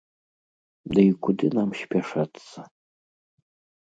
Ды і куды нам спяшацца?